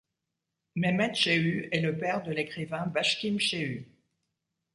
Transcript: Mehmet Shehu est le père de l'écrivain Bashkim Shehu.